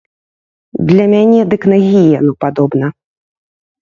Для мяне дык на гіену падобна.